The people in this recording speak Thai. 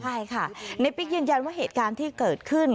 ใช่ค่ะในปิ๊กยืนยันว่าเหตุการณ์ที่เกิดขึ้น